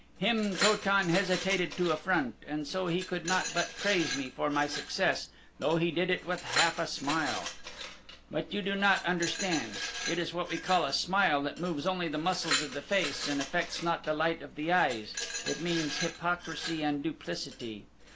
Him Ko tan hesitated to affront and so he could not but praise me for my success, though he did it with half a smile. But you do not understand! It is what we call a smile that moves only the muscles of the face and affects not the light of the eyes it means hypocrisy and duplicity.